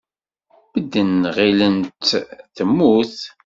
Medden ɣilen-tt temmut.